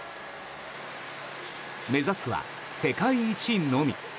目指すは世界一のみ。